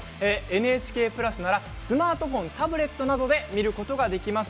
ＮＨＫプラスならスマートフォン、タブレットなどで見ることができます。